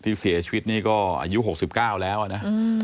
ที่เสียชีวิตนี่ก็อายุ๖๙แล้วนะ